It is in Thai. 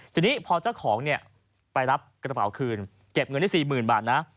ทีนี้พอเจ้าของเนี่ยไปรับกระเป๋าคืนเก็บเงินที่๔๐๐๐บาทนะ